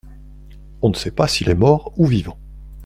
On ne sait pas s’il est mort ou vivant.